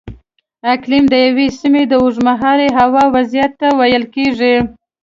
اقلیم د یوې سیمې د اوږدمهالې هوا وضعیت ته ویل کېږي.